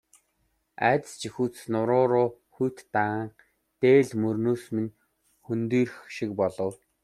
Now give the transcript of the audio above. Айдас жихүүдсэндээ нуруу руу хүйт дааж, дээл мөрөөс минь хөндийрөх шиг болов.